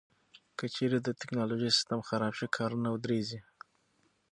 که چیرې د ټکنالوژۍ سیستم خراب شي، کارونه ودریږي.